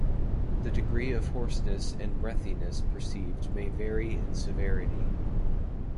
The degree of hoarseness and breathiness perceived may vary in severity.